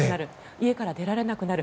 家から出られなくなる。